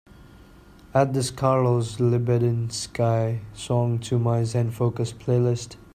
Add this carlos libedinsky song to my zen focus playlist